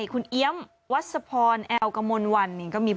คุณเอี๊ยมวัศพรแอลกมลวัน